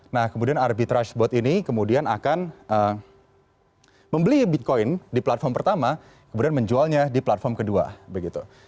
nah kemudian arbitrage boat ini kemudian akan membeli bitcoin di platform pertama kemudian menjualnya di platform kedua begitu